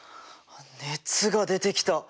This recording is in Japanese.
熱が出てきた。